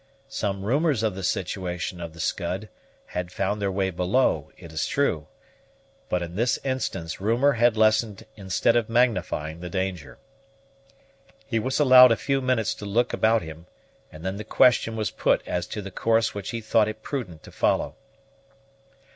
Some rumors of the situation of the Scud had found their way below, it is true; but in this instance rumor had lessened instead of magnifying the danger. He was allowed a few minutes to look about him, and then the question was put as to the course which he thought it prudent to follow.